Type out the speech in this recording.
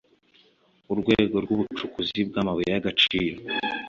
Urwego rw’ubucukuzi bw’amabuye y’agaciro